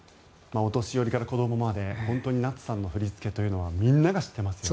お年寄りから子どもまで本当に夏さんの振り付けというのはみんなが知っていますよね。